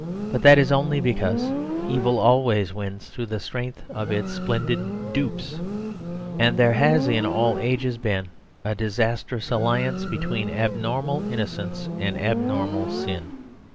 But that is only because evil always wins through the strength of its splendid dupes; and there has in all ages been a disastrous alliance between abnormal innocence and abnormal sin.